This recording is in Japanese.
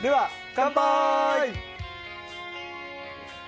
乾杯！